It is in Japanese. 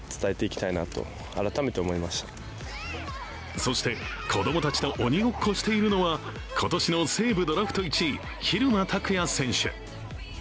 そして、子供たちと鬼ごっこしているのは、今年の西武ドラフト１位、蛭間拓哉選手。